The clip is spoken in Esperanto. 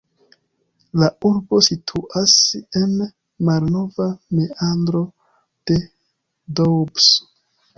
La urbo situas en malnova meandro de Doubs.